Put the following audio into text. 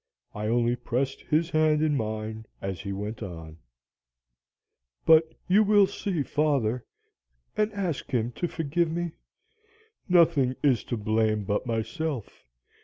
I only pressed his hand in mine, as he went on. "'But you will see father, and ask him to forgive me. Nobody is to blame but myself.